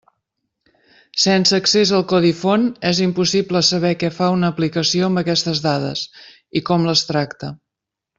Sense accés al codi font és impossible saber què fa una aplicació amb aquestes dades, i com les tracta.